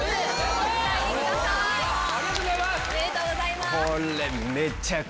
おめでとうございます！